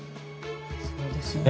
そうですね。